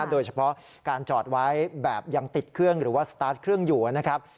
โดยเฉพาะการจอดไว้แบบยังติดเครื่องหรือว่าสตาร์ทเครื่องอยู่นะครับ